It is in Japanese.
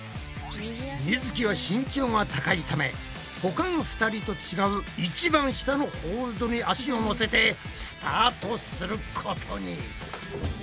みづきは身長が高いためほかの２人と違う一番下のホールドに足をのせてスタートすることに。